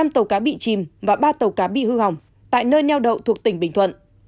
năm tàu cá bị chìm và ba tàu cá bị hư hỏng tại nơi neo đậu thuộc tỉnh bình thuận